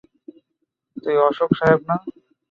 তুই অশোক সাহেব না।